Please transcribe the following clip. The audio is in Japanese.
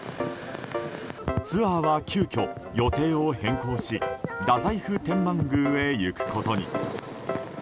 ツアーは急きょ、予定を変更し太宰府天満宮へ行くことに。